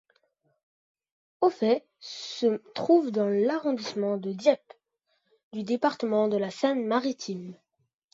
Auffay se trouve dans l'arrondissement de Dieppe du département de la Seine-Maritime.